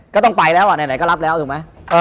ก็ต้องไปแล้วอ่ะไหนก็รับแล้วถูกไหม